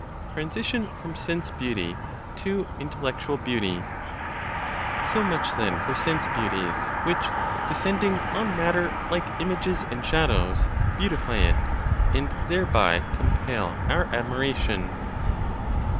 TRANSITION FROM SENSE BEAUTY TO INTELLECTUAL BEAUTY. So much then for sense beauties which, descending on matter like images and shadows, beautify it and thereby compel our admiration.